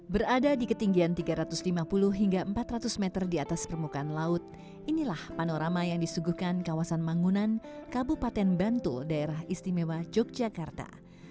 berada di ketinggian tiga ratus lima puluh hingga empat ratus meter di atas permukaan laut inilah panorama yang disuguhkan kawasan manggunan kabupaten bantul daerah istimewa yogyakarta